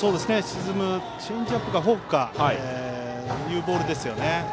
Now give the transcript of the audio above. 沈むチェンジアップかフォークかというボールですよね。